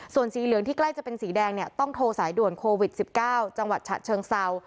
ส่วนสีเหลืองที่ใกล้จะเป็นสีแดงเนี่ยต้องโทรสายด่วนโควิด๑๙จังหวัดฉะเชิงเซา